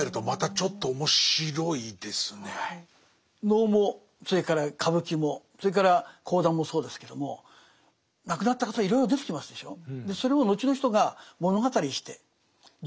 能もそれから歌舞伎もそれから講談もそうですけども亡くなった方いろいろ出てきますでしょう。